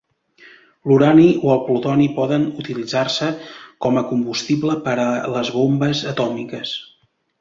L'urani o el plutoni poden utilitzar-se com a combustible per a les bombes atòmiques.